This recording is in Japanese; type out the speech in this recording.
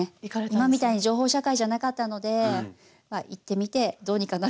今みたいに情報社会じゃなかったのでまあ行ってみてどうにかなるかなっていう。